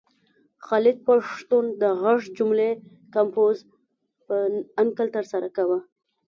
خالد پښتون د غږ مجلې کمپوز په انکل ترسره کاوه.